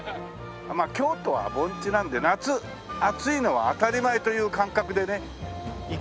まあ京都は盆地なんで夏暑いのは当たり前という感覚でね行けばね。